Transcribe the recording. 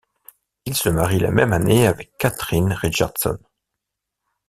Il se marie la même année avec Katherine Richardson.